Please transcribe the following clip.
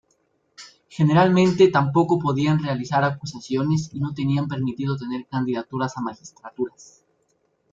Generalmente tampoco podían realizar acusaciones y no tenían permitido tener candidaturas a magistraturas.